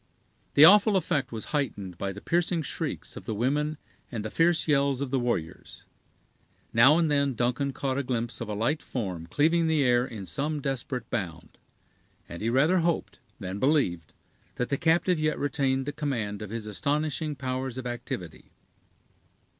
The awful effect was heightened by the piercing shrieks of the women and the fierce yells of the warriors. Now and then Duncan caught a glimpse of a light form cleaving the air in some desperate bound, and he rather hoped than believed that the captive yet retained the command of his astonishing powers of activity.